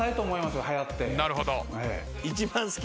なるほど。